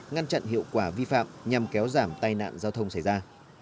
ngăn chặn hiệu quả vi phạm nhằm kéo giảm tai nạn giao thông xảy ra